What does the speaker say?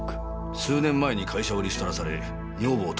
数年前に会社をリストラされ女房とも離婚。